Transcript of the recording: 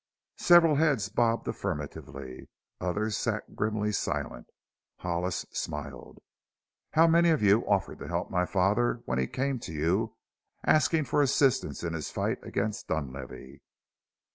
Several heads bobbed affirmatively; others sat grimly silent. Hollis smiled. "How many of you offered to help my father when he came to you asking for assistance in his fight against Dunlavey?"